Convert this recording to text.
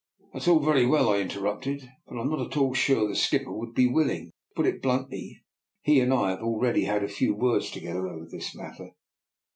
That is all very well," I interrupted, but I am not at all sure the skipper would be willing. To put it bluntly, he and I have already had a few words together over this matter."